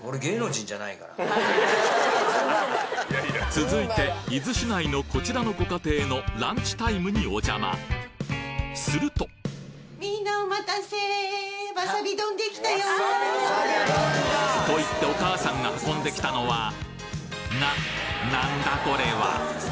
続いて伊豆市内のこちらのご家庭のランチタイムにお邪魔するとと言ってお母さんが運んできたのはななんだコレは？